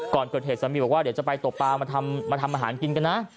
ก่อนเกิดเหตุสามีบอกว่าเดี๋ยวจะไปตกปลามาทำอาหารกินกันนะ